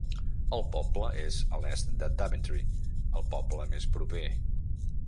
El poble és a l'est de Daventry, el poble més proper.